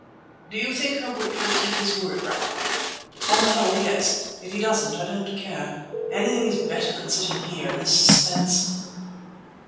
"Do you think Harût will keep his word, Ragnall?" "On the whole, yes, and if he doesn't I don't care. Anything is better than sitting here in this suspense."